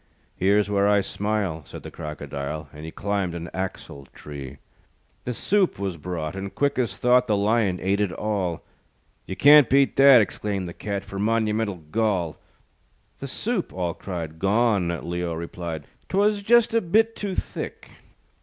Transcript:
"Here's where I smile," Said the Crocodile, And he climbed an axle tree. The soup was brought, And quick as thought, The Lion ate it all. "You can't beat that," Exclaimed the Cat, "For monumental gall." "The soup," all cried. "Gone," Leo replied, "'Twas just a bit too thick."